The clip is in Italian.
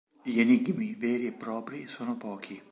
Gli enigmi veri e propri sono pochi.